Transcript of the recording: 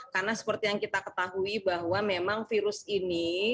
karena seperti yang kita ketahui bahwa memang virus ini